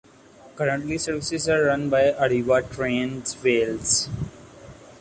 Currently services are run by Arriva Trains Wales.